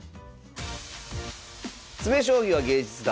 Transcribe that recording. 「詰将棋は芸術だ！」